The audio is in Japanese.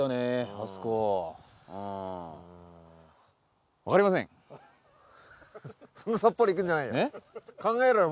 あそこそんなさっぱりいくんじゃないよ